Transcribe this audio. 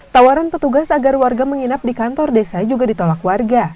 tawaran petugas agar warga menginap di kantor desa juga ditolak warga